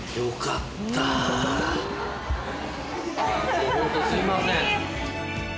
もうホントすいません。